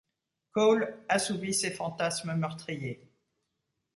Cole assouvit ses fantasmes meurtriers.